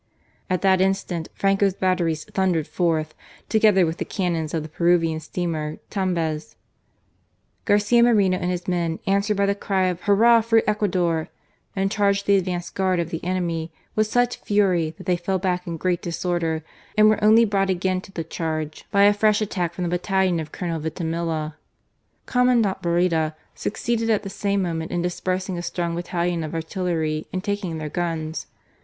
At that instant Franco's batteries thundered forth, together with the cannons of the Peruvian steamer Tumbez. Garcia Moreno and his men answered by the cry of Hurrah for Ecuador ! and charged the advance guard of the enemy with such fury that they fell back in great disorder, and were only brought again to the charge by a fresh attack from the battalion of Colonel Vintimilla. Com mandant Barreda succeeded at the same moment in dispersing a strong battalion of artillery and taking their guns.